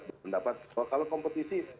berpendapat kalau kompetisi